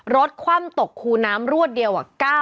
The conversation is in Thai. คว่ำตกคูน้ำรวดเดียว